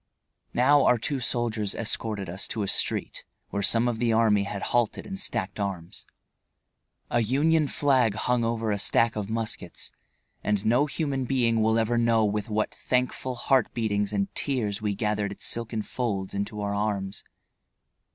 Now, our two soldiers escorted us to a street where some of the army had halted and stacked arms. A Union flag hung over a stack of muskets, and no human being will ever know with what thankful heart beatings and tears we gathered its silken folds into our arms.